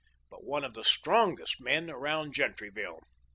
but one of the strongest men around Gentryville.